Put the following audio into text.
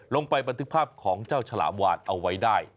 บันทึกภาพของเจ้าฉลามวานเอาไว้ได้